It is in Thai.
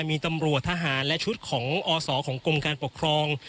มีตำรวจทหารและชุดของอศของกรมการปกครอง